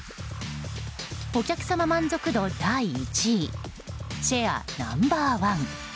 お客様満足度第１位シェアナンバー１。